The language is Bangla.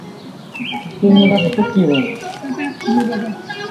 বিপদে সবাই সবাইকে সাহায্য করে।